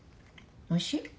おいしい？